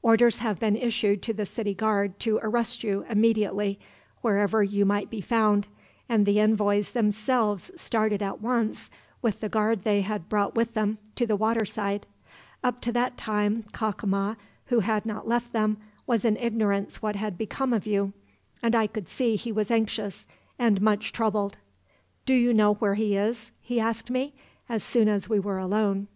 "Orders have been issued to the city guard to arrest you, immediately, wherever you might be found; and the envoys themselves started at once, with the guard they had brought with them, to the waterside. Up to that time Cacama, who had not left them, was in ignorance what had become of you; and I could see he was anxious, and much troubled." "'Do you know where he is?' he asked me, as soon as we were alone.